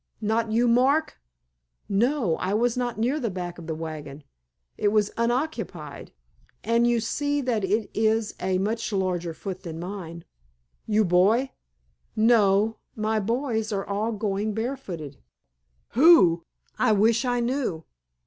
"Not you mark?" "No, I was not near the back of that wagon. It was unoccupied. And you see that is a much larger foot than mine." "You boy?" "No, my boys are all going barefooted." "Who?" "I wish I knew."